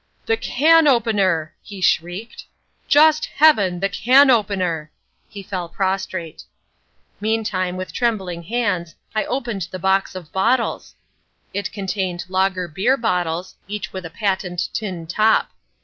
"The can opener!" he shrieked, "just Heaven, the can opener." He fell prostrate. Meantime, with trembling hands, I opened the box of bottles. It contained lager beer bottles, each with a patent tin top.